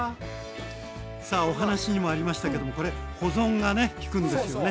お話にもありましたけどもこれ保存がねきくんですよね。